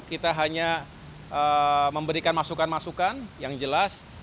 kita hanya memberikan masukan masukan yang jelas